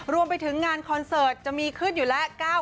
รวมไปถึงงานคอนเสิร์ตจะมีขึ้นอยู่แล้ว